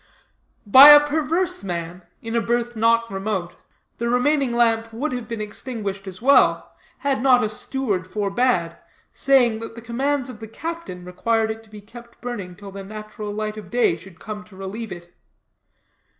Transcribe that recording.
By a perverse man, in a berth not remote, the remaining lamp would have been extinguished as well, had not a steward forbade, saying that the commands of the captain required it to be kept burning till the natural light of day should come to relieve it.